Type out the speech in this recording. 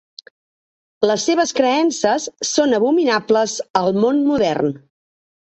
Les seves creences són abominables al món modern.